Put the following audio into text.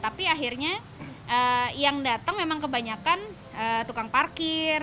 tapi akhirnya yang datang memang kebanyakan tukang parkir